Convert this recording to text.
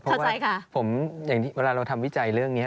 เพราะว่าผมอย่างเวลาเราทำวิจัยเรื่องนี้